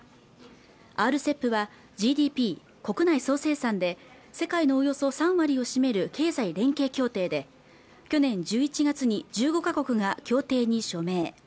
ＲＣＥＰはＧＤＰ国内総生産で世界のおよそ３割を占める経済連携協定で去年１１月に１５か国が協定に署名